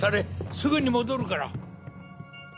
すぐに戻るから。